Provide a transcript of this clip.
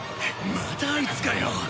またあいつかよ。